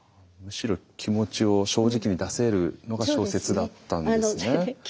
むしろ気持ちを正直に出せるのが小説だったんですね。